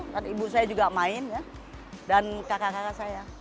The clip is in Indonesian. dan ibu saya juga main ya dan kakak kakak saya